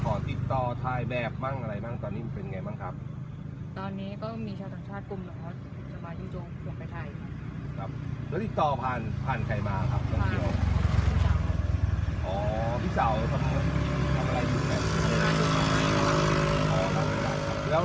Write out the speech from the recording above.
ก็ไม่ได้ไหลกับใครค่ะเป็นคนที่ไม่เข้าโลกไม่รักก็ไม่รักก็ไม่รัก